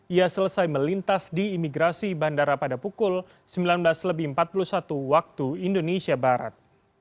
ia selesai melintas di imigrasi bandara pada pukul sembilan belas lebih empat puluh satu waktu indonesia barat